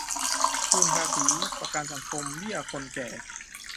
คืนภาษี ประกันสังคม เบี้ยคนแก่